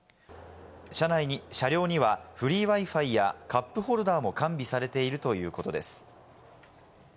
車両にはフリーＷｉ−Ｆｉやカップホルダーも完備されているということです。